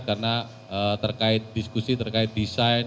karena terkait diskusi terkait design